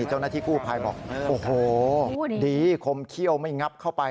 เจ้าหน้าที่กู้ภัยบอกโอ้โหดีคมเขี้ยวไม่งับเข้าไป